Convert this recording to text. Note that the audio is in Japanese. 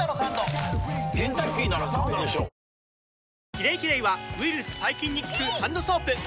「キレイキレイ」はウイルス・細菌に効くハンドソープ！